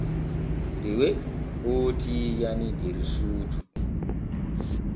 Dewe hooti nyani der suudu.